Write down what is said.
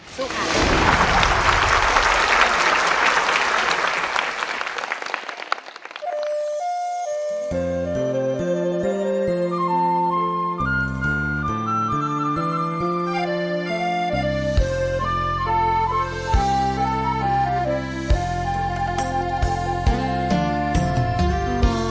สุขา